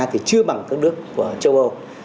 thì chưa bằng các nước châu âu